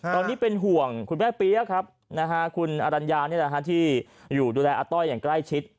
ตอนนี้เป็นห่วงคุณแม่เปี๊ยกครับคุณอรัญญานี่แหละที่อยู่ดูแลอาต้อยอย่างใกล้ชิด